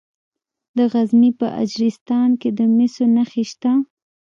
د غزني په اجرستان کې د مسو نښې شته.